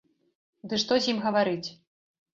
Ды што з ім гаварыць.